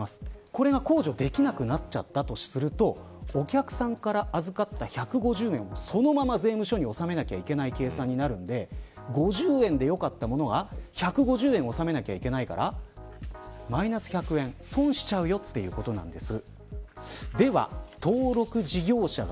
これが控除できなくなっちゃったとするとこれお客さんから預かった１５０円をそのまま税務署に納めなくてはいけない計算になるので５０円でよかったものが１５０円納めないといけないからマイナス１００円損しちゃうということなんです。